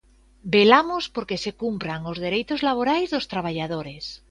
Velamos porque se cumpran os dereitos laborais dos traballadores.